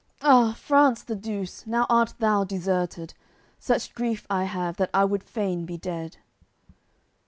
Ah! France the Douce, now art thou deserted! Such grief I have that I would fain be dead."